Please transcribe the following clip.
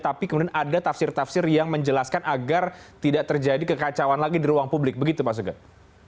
tapi kemudian ada tafsir tafsir yang menjelaskan agar tidak terjadi kekacauan lagi di ruang publik begitu pak sugeng